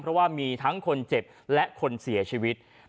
เพราะว่ามีทั้งคนเจ็บและคนเสียชีวิต